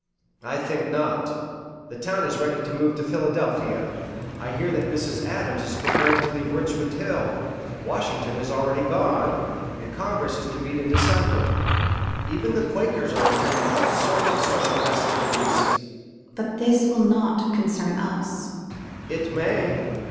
"I think not. The town is now ready to move to Philadelphia. I hear that Mrs. Adams is preparing to leave Richmond Hill. Washington has already gone, and Congress is to meet in December. Even the Quakers are intending all sorts of social festivities." "But this will not concern us." "It may.